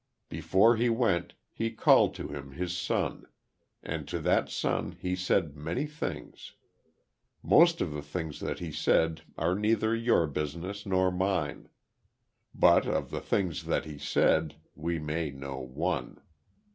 Before he went, he called to him his son, and to that son he said many things. Most of the things that he said are neither your business nor mine. But of the things that he said, we may know one.